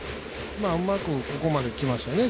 うまくここまできましたね